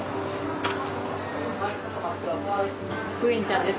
フエンちゃんです。